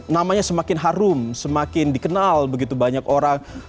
namanya semakin harum semakin dikenal begitu banyak orang